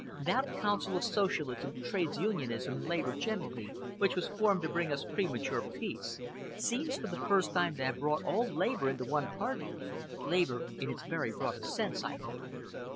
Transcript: That Council of Socialism, Trades Unionism, and Labour generally, which was formed to bring us premature peace, seems for the first time to have brought all Labour into one party, Labour in its very broadest sense, I mean."